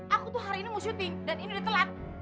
aku tuh hari ini mau syuting dan ini udah telat